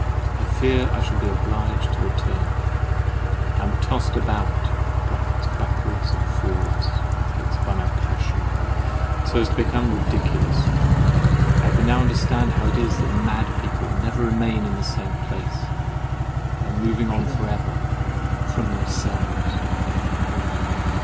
I fear I shall be obliged to return. I am tossed about (backwards and forwards) by my passion, so as to become ridiculous. I can now understand how it is that mad people never remain in the same place—they are moving on for ever, FROM THEMSELVES!